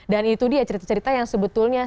dan itu dia cerita cerita yang sebetulnya